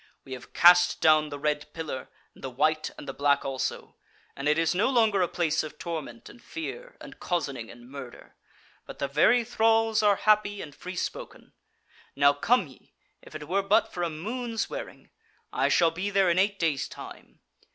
We have cast down the Red Pillar, and the White and the Black also; and it is no longer a place of torment and fear, and cozening and murder; but the very thralls are happy and free spoken. Now come ye, if it were but for a moon's wearing: I shall be there in eight days' time.